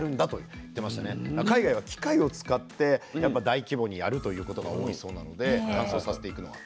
海外は機械を使って大規模にやるということが多いそうなので乾燥させていくのが。